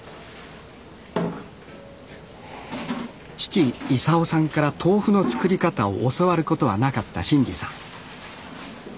父勲さんから豆腐の作り方を教わることはなかった伸二さん。